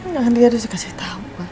nanti harus kasih tau